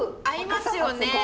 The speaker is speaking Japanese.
合いますよね。